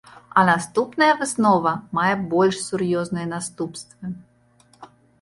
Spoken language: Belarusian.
А наступная выснова мае больш сур'ёзныя наступствы.